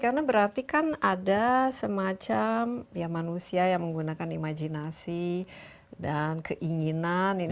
karena berarti kan ada semacam manusia yang menggunakan imajinasi dan keinginan